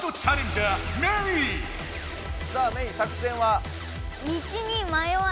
さあメイ作戦は？